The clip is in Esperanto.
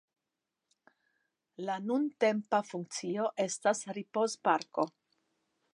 La nuntempa funkcio estas ripozparko.